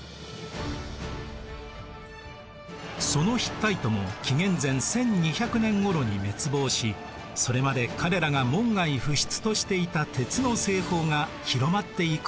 そのヒッタイトも紀元前１２００年ごろに滅亡しそれまで彼らが門外不出としていた鉄の製法が広まっていくことになります。